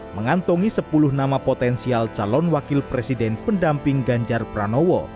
mengantongi sepuluh nama potensial calon wakil presiden pendamping ganjar pranowo